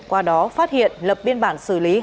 qua đó phát hiện lập biên bản xử lý